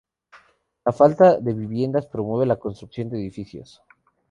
La falta de viviendas promueve la construcción de edificios.